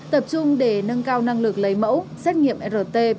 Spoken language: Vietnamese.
tập trung để nâng cao năng lực lấy mẫu xét nghiệm rt pcr theo yêu cầu của bộ y tế đề ra